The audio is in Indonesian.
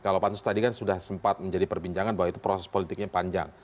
kalau pansus tadi kan sudah sempat menjadi perbincangan bahwa itu proses politiknya panjang